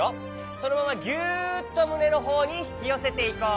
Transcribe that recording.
そのままぎゅっとむねのほうにひきよせていこう。